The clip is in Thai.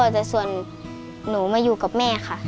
แต่ส่วนหนูมาอยู่กับแม่ค่ะ